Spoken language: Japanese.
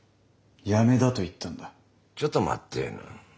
ちょっと待ってえな。